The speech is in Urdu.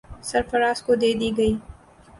سرفراز کو دے دی گئی۔